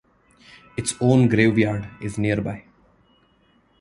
Its own graveyard is nearby.